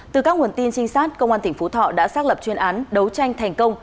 từ các nguồn tin trinh sát công an tỉnh phú thọ đã xác lập chuyên án đấu tranh thành công